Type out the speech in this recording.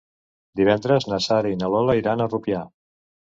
Divendres na Sara i na Lola iran a Rupià.